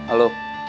sampai jumpa lagi